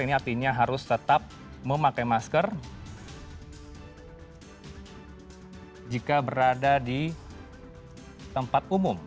ini artinya harus tetap memakai masker jika berada di tempat umum